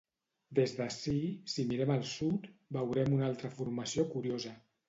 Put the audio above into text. Des d'ací, si mirem al sud, veurem una altra formació curiosa: